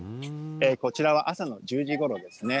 こちらは朝の１０時ごろですね。